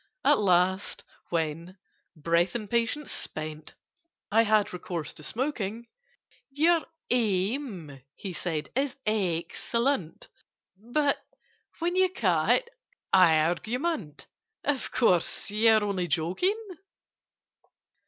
At last, when, breath and patience spent, I had recourse to smoking— "Your aim," he said, "is excellent: But—when you call it argument— Of course you're only joking?"